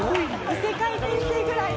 異世界転生ぐらいの。